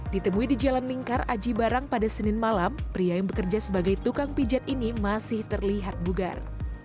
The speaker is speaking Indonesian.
ditemui di jalan lingkar aji barang pada senin malam pria yang bekerja sebagai tukang pijat ini masih terlihat bugar